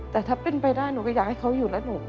แต่ถ้าเป็นไปได้หนูก็อยากให้เขาอยู่แล้วหนู